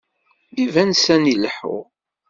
Iban sani leḥḥuɣ.